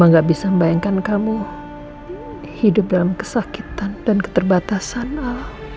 mama tidak bisa membayangkan kamu hidup dalam kesakitan dan keterbatasan al